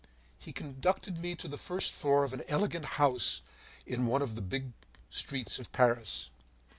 ” He conducted me to the first floor of an elegant house in one of the big streets of Paris.